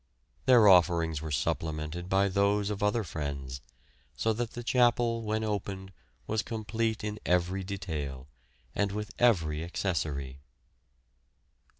Their offerings were supplemented by those of other friends, so that the chapel when opened was complete in every detail, and with every accessory.